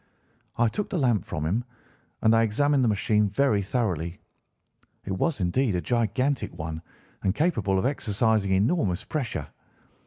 "I took the lamp from him, and I examined the machine very thoroughly. It was indeed a gigantic one, and capable of exercising enormous pressure.